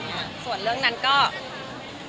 ก็เลยเอาข้าวเหนียวมะม่วงมาปากเทียน